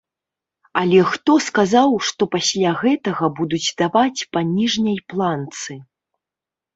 Але хто сказаў, што пасля гэтага будуць даваць па ніжняй планцы?